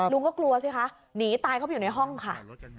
ลุงก็กลัวสิคะหนีตายเข้าไปอยู่ในห้องค่ะ